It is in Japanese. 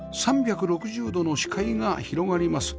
３６０度の視界が広がります